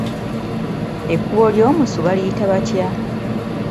Ekkubo ly’omusu baliyita batya?